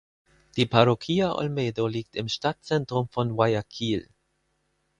Die Parroquia Olmedo liegt im Stadtzentrum von Guayaquil.